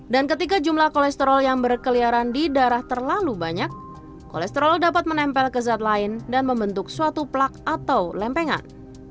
dan ketika jumlah kolesterol yang berkeliaran di darah terlalu banyak kolesterol dapat menempel ke zat lain dan membentuk suatu plak atau lempengan